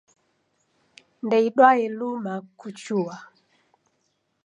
Ndeidwae luma kuchua.